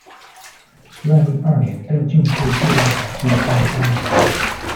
万历二年，登进士第二甲第二十八名。